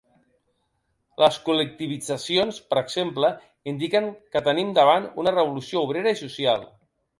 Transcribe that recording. Les col·lectivitzacions, per exemple, indiquen que tenim davant una revolució obrera i social.